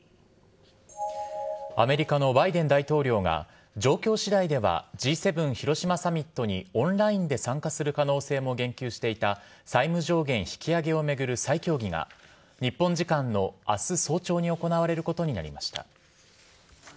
アメリカのバイデン大統領が、状況しだいではＧ７広島サミットにオンラインで参加する可能性も言及していた債務上限引き上げを巡る再協議が、日本時間のあす早朝に行われることになりました。